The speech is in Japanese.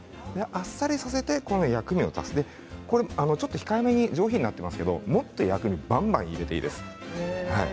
あっさりさせて薬味を足すちょっと控えめに上品になっていますがもっと薬味を入れていいです。